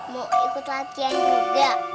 mau ikut latihan juga